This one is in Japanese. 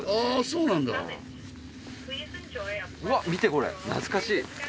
うわっ見てこれ懐かしい。